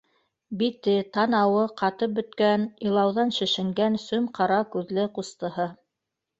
Бите, танауы ҡатып бөткән, илауҙан шешенгән сем-ҡара күҙле ҡустыһы